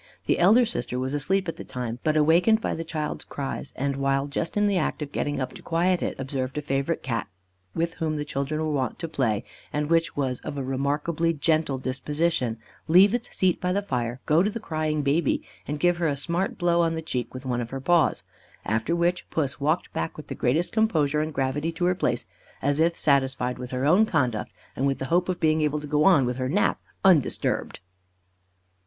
The elder sister was asleep at the time, but awakened by the child's cries, and while just in the act of getting up to quiet it, observed a favourite Cat, with whom the children were wont to play, and which was of a remarkably gentle disposition, leave its seat by the fire, go to the crying baby, and give her a smart blow on the cheek with one of her paws; after which, Puss walked back with the greatest composure and gravity to her place, as if satisfied with her own conduct, and with the hope of being able to go on with her nap undisturbed.